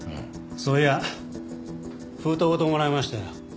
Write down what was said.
そういや封筒ごともらいましたよ。